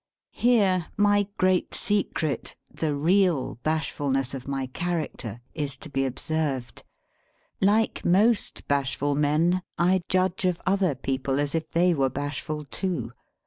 Here my great secret, the real bashfulness of my character, is to be observed. Like most bashful men, I judge of other people as if they were bashful too.